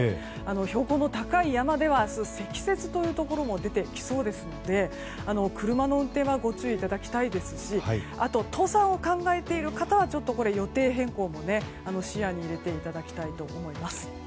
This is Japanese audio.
標高の高い山では明日、積雪というところも出てきそうですので車の運転はご注意いただきたいですし登山を考えている方は予定変更も視野に入れていただきたいと思います。